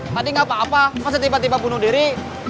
tadi gak apa apa kenapa tiba tiba bunuh diri